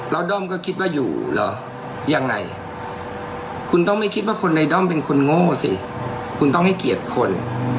แล้วด้อมก็คิดว่าอยู่เหรอยังไงคุณต้องไม่คิดว่าคนในด้อมเป็นคนโง่สิคุณต้องให้เกียรติคน